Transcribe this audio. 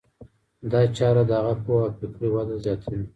دا چاره د هغه پوهه او فکري وده زیاتوي.